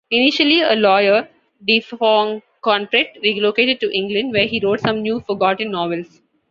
Initially a lawyer, Defauconpret relocated to England where he wrote some now forgotten novels.